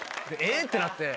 ってなって。